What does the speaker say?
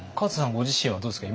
ご自身はどうですか。